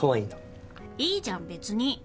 いいじゃん別に！